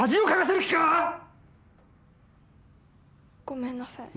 ごめんなさい。